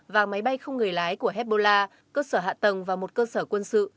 và máy bay không người lái của hezbollah cơ sở hạ tầng và một cơ sở quân sự